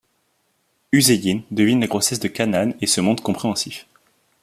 Hüseyin devine la grossesse de Canan et se montre compréhensif.